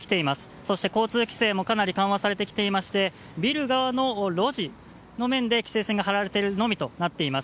そして、交通規制もかなり緩和されてきていましてビル側の路地の面でのみ規制線が張られてるのみとなっています。